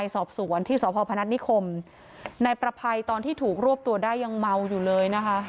สอบสวนที่สพพนัฐนิคมนายประภัยตอนที่ถูกรวบตัวได้ยังเมาอยู่เลยนะคะ